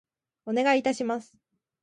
お願い致します。